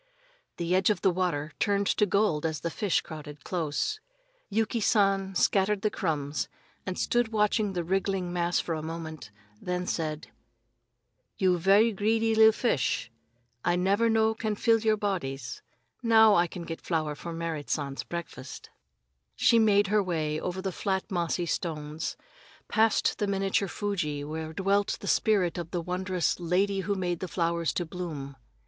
The edge of the water turned to gold as the fish crowded close. Yuki San scattered the crumbs and stood watching the wriggling mass for a moment, then said: "You ve'y greedy li'l fish. I never no can fill your bodies. Now I get flower for Merrit San's breakfast." She made her way over the flat mossy stones, passed the miniature Fuji where dwelt the spirit of the wondrous "Lady who made the flowers to bloom."